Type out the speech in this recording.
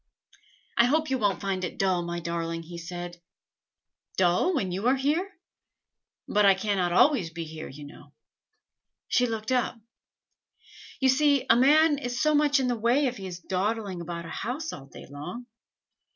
"I hope you won't find it dull, my darling," he said. "Dull, when you are here?" "But I cannot always be here, you know." She looked up. "You see, a man is so much in the way if he is dawdling about a house all day long.